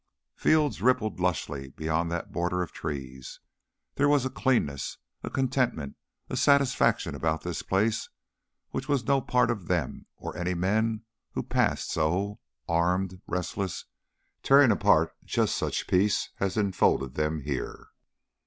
Fields rippled lushly beyond that border of trees. There was a cleanness, a contentment, a satisfaction about this place which was no part of them or any men who passed so, armed, restless, tearing apart just such peace as enfolded them here.